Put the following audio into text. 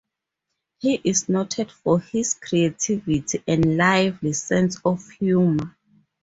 He is noted for his creativity and lively sense of humor.